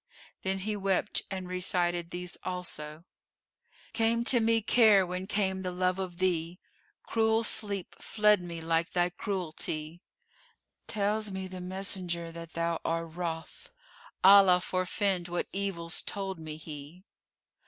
Then he wept and recited these also, "Came to me care when came the love of thee, * Cruel sleep fled me like thy cruelty: Tells me the messenger that thou are wroth: * Allah forfend what evils told me he!"